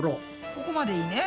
ここまでいいね。